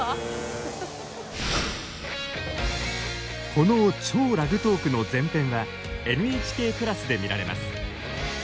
この超ラグトークの全編は「ＮＨＫプラス」で見られます。